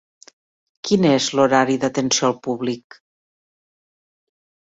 Quin és l'horari d'atenció al públic?